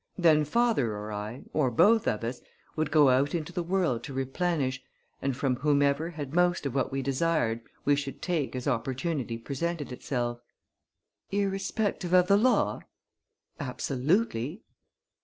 Then father or I, or both of us, would go out into the world to replenish, and from whomever had most of what we desired we should take as opportunity presented itself." "Irrespective of the law?" "Absolutely!"